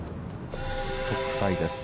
トップタイです。